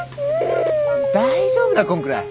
大丈夫だこんくらい。